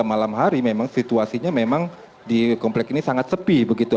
malam hari memang situasinya memang di komplek ini sangat sepi begitu